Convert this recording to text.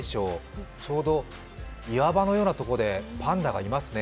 ちょうど岩場のようなところでパンダがいますね。